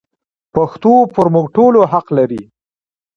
پښتو پر موږ ټولو حق لري.